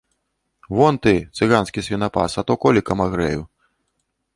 Вон ты, цыганскі свінапас, а то колікам агрэю.